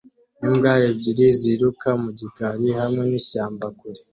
Imbwa ebyiri ziruka mu gikari hamwe n’ishyamba kure